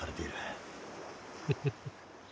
フフフ。